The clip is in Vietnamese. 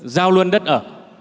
giao luôn đất ở